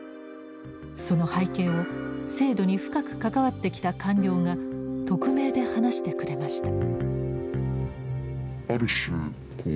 その背景を制度に深く関わってきた官僚が匿名で話してくれました。